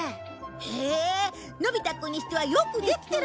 へえのび太くんにしてはよくできてるじゃないか